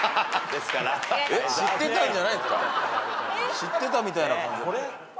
知ってたみたいな感じだった。